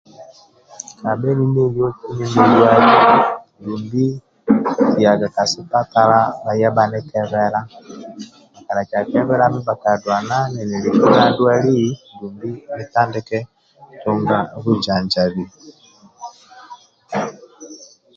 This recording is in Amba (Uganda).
Kabha ninieyoki ninilwali dumbi nkiyaga ka sipatala bhanikebela bhakinitakanku ndwali dumbi nitandike tunga bujanjabi